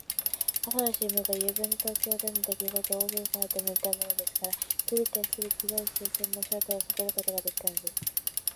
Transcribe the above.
朝の新聞が、ゆうべの東京でのできごとを大きく書きたてていたものですから、人々はすぐ黒い風船の正体をさとることができたのです。